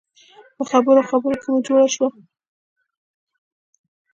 په خبرو خبرو کې مو جوړه شوه.